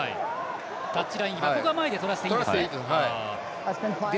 タッチラインは前でとらせていいです。